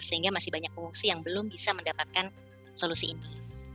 sehingga masih banyak pengungsi yang belum bisa mendapatkan solusi ini